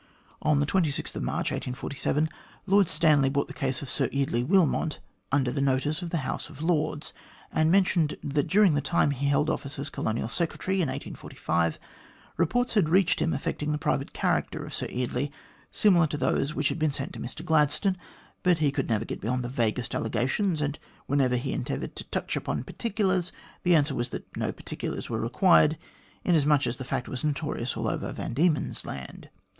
'" On March 26, 1847, Lord Stanley brought the case of Sir Eardley Wilmot under the notice of the House of Lords, and mentioned that, during the time he held office as Colonial Secretary in 1845, reports had reached him affecting the private character of Sir Eardley, similar to those that had been sent to Mr Gladstone, but he could never get beyond the vaguest allegations, and whenever he attempted to touch upon particulars, the answer was that no particulars were required, inasmuch as the fact was notorious all over Van Diemen's Land.